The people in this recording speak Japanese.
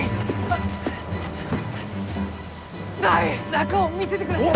中を見せてください！